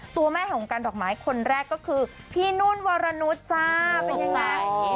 ตัวแม่แห่งวงการดอกไม้คนแรกก็คือพี่นุ่นวรนุษย์จ้าเป็นยังไง